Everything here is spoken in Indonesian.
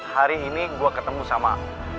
hari ini gue ketemu sama